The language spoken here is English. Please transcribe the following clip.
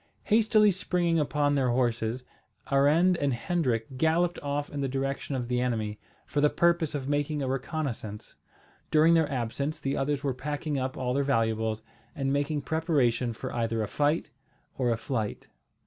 Hastily springing upon their horses, Arend and Hendrik galloped off in the direction of the enemy, for the purpose of making a reconnaissance. During their absence the others were packing up all their valuables, and making preparation for either a fight or a flight.